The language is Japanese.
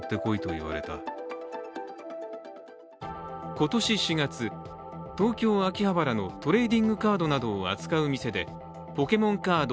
今年４月、東京・秋葉原のトレーディングカードなどを扱う店でポケモンカード